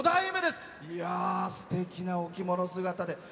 すてきなお着物姿で。